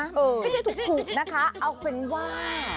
ไม่ใช่ถูกนะคะเอาเป็นว่า